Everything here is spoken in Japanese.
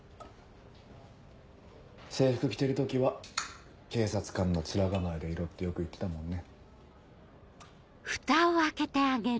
制服着てる時は警察官の面構えでいろってよく言ってたもんね。